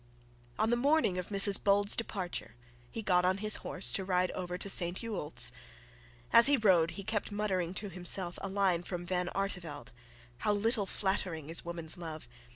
On the morning of Mrs Bold's departure he got on his horse to ride over to St Ewold's. As he rode he kept muttering to himself a line from Van Artevelde: How little flattering is woman's love.